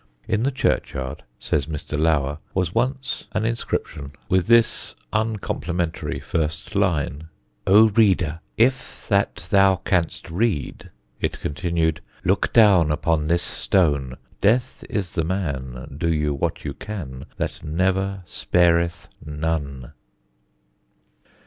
In the churchyard, says Mr. Lower, was once an inscription with this uncomplimentary first line: O reader, if that thou canst read, It continued: Look down upon this stone; Death is the man, do you what you can, That never spareth none!